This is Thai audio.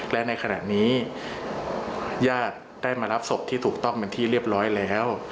และในขณะนี้ญาติได้มารับศพที่ถูกต้องเป็นที่เรียบร้อยแล้ว